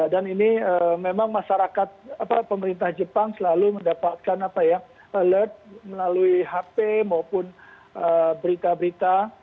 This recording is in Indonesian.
dan ini memang masyarakat pemerintah jepang selalu mendapatkan alert melalui hp maupun berita berita